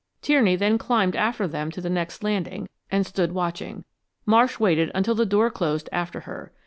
Tierney then climbed after them to the next landing and stood watching. Marsh waited until the door closed after her.